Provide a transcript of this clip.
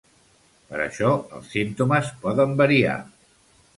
Per això els símptomes poden variar.